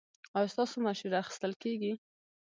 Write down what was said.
ایا ستاسو مشوره اخیستل کیږي؟